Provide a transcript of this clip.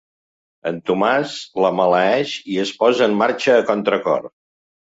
El Tomàs la maleeix i es posa en marxa a contracor.